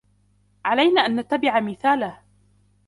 علينا أن نتّبع مثاله.